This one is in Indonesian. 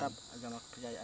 tetap agama kepercayaan